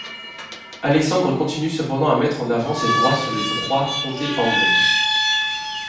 Alexandre continue cependant à mettre en avant ses droits sur les trois comtés anglais.